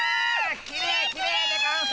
きれいきれいでゴンス！